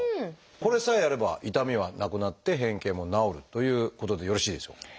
これさえやれば痛みはなくなって変形も治るということでよろしいでしょうか？